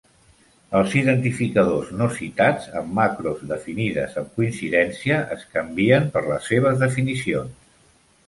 Els identificadors no citats amb macros definides amb coincidència es canvien per les seves definicions.